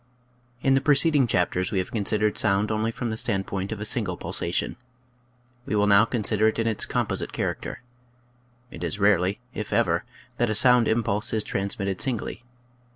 In the preceding chapters we have consid ered sound only from the standpoint of a single pulsation. We will now consider it in its composite character. It is rarely, if ever, that a sound impulse is transmitted singly.